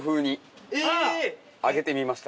揚げてみました。